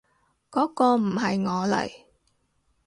嗰個唔係我嚟